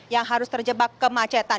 yang harus terjebak kemacetan